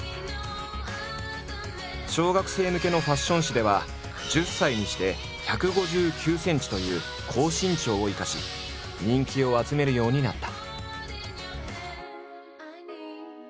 小学生向けのファッション誌では１０歳にして１５９ｃｍという高身長を生かし人気を集めるようになった。